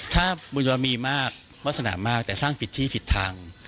ถ้าบุญยมีมากวาสนามากแต่สร้างผิดที่ผิดทาง